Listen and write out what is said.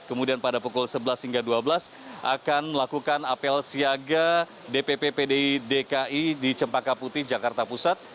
kemudian pada pukul sebelas hingga dua belas akan melakukan apel siaga dpp pdi dki di cempaka putih jakarta pusat